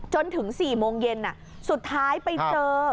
จนถึง๔โมงเย็นสุดท้ายไปเจอ